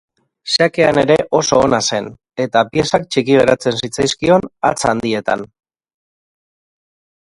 Xakean ere oso ona zen, eta piezak txiki geratzen zitzaizkion hatz handietan.